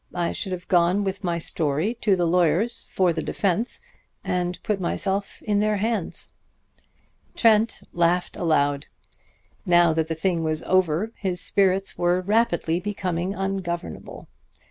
I should have gone with my story to the lawyers for the defense, and put myself in their hands." Trent laughed aloud. Now that the thing was over his spirits were rapidly becoming ungovernable.